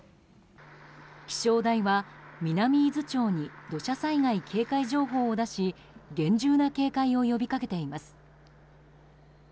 気象台は、南伊豆町に土砂災害警戒情報を出し厳重な警戒を呼びかけています。